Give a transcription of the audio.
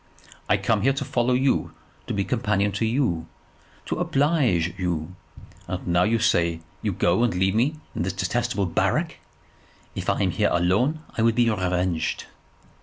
I come here to follow you, to be companion to you, to oblige you, and now you say you go and leave me in this detestable barrack. If I am here alone, I will be revenged."